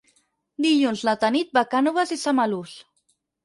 Dilluns na Tanit va a Cànoves i Samalús.